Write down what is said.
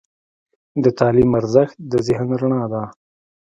د تعلیم ارزښت د ذهن رڼا ده.